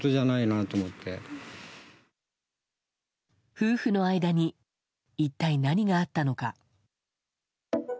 夫婦の間に一体何があったのか。